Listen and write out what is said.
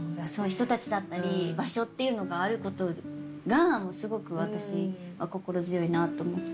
人たちだったり場所っていうのがあることがすごく私は心強いなと思って。